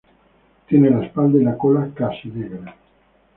Tiene la espalda y la cola casi negras.